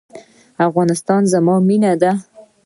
افغانستان زما مینه ده؟